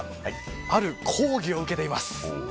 ある講義を受けています。